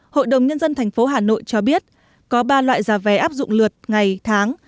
hội đồng nhân dân tp hà nội cho biết có ba loại giá vé áp dụng lượt ngày tháng